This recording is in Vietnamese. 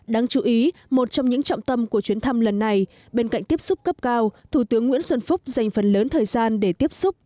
đáng chú ý một trong những trọng tâm của chuyến thăm lần này bên cạnh tiếp xúc cấp cao thủ tướng nguyễn xuân phúc dành phần lớn thời gian để tiếp xúc